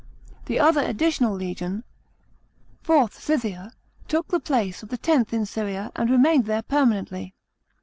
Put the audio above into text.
The other additional legion, IV. Scythica, took the place of the Xth in Syria, and remained there permanently.